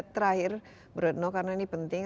terakhir bruno karena ini penting